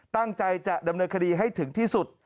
ตั้งใจจะดำเนินคดีให้ถึงที่สุด